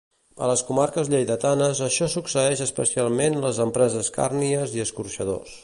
A les comarques lleidatanes, això succeeix especialment a les empreses càrnies i escorxadors.